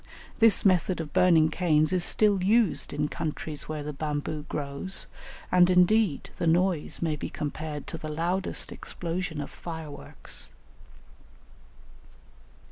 This method of burning canes is still used in countries where the bamboo grows, and indeed the noise may be compared to the loudest explosion of fire works.